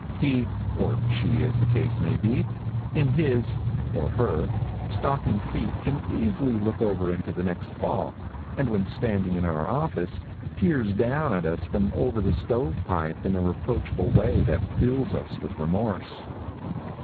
He (or she, as the case may be) in his (or her) stocking feet can easily look over into next fall, and when standing in our office, peers down at us from over the stove pipe in a reproachful way that fills us with remorse.